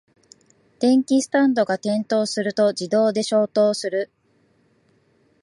電気スタンドが転倒すると自動で消灯する